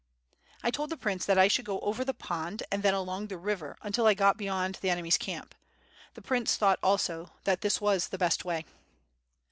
"I told the prince that T should go over the pond and then along the river until I got beyond the enemy's camp. The prince thousrht also that this was the best way."